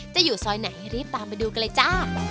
จะอยู่ซอยไหนรีบตามไปดูกันเลยจ้า